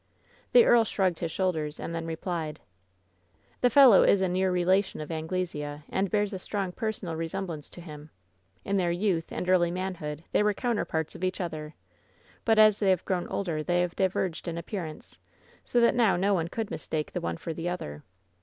The earl shrugged his shoulders and then replied: "The fellow is a near relation of Anglesea, and bears a strong personal resemblance to him. In their youth and early manhood they were counterparts of each other; but as they have grown older they have diverged in appearance, so that now no one could mistake the one for the other.